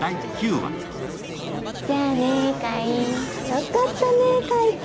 よかったね、海君。